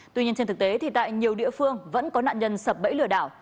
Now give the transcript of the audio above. tuy nhiên trên thực tế thì tại nhiều địa phương vẫn có nạn nhân sập bẫy lừa đảo